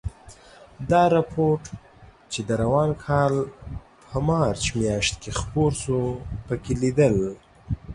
دا رپوټ چې د روان کال په مارچ میاشت کې خپور شو، پکې لیدل